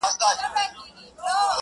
نه مي کوئ گراني، خو ستا لپاره کيږي ژوند